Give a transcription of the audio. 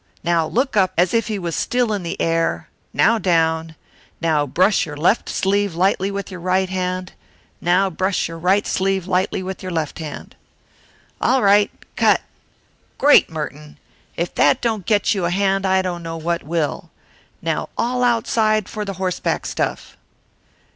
Now look up, as if he was still in the air, now down, now brush your left sleeve lightly with your right hand, now brush your right sleeve lightly with your left hand. "All right cut. Great, Merton! If that don't get you a hand I don't know what will. Now all outside for the horseback stuff!"